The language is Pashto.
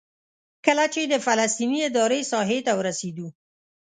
کله چې د فلسطیني ادارې ساحې ته ورسېدو.